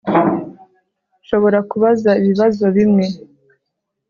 Nshobora kubaza ibibazo bimwe